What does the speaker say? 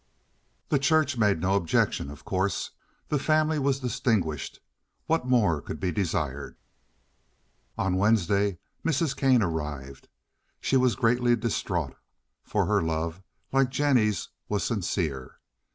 The Church made no objection, of course. The family was distinguished. What more could be desired? On Wednesday Mrs. Kane arrived. She was greatly distraught, for her love, like Jennie's, was sincere.